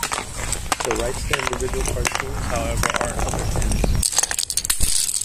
The rights to individual cartoons however are in other hands.